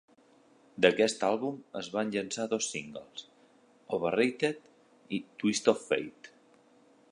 D'aquest àlbum es van llançar dos singles: "Overrated" i "Twist of Fate".